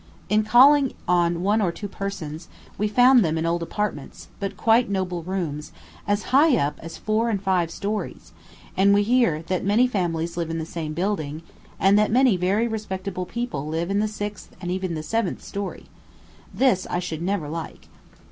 In calling on one or two persons, we found them in old apartments, but quite noble rooms, as high up as four and five stories; and we hear that many families live in the same building, and that many very respectable people live in the sixth, and even seventh story. This I should never like.